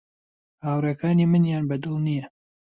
هاوڕێکانی منیان بە دڵ نییە.